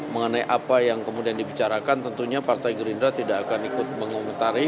mengenai apa yang kemudian dibicarakan tentunya partai gerindra tidak akan ikut mengomentari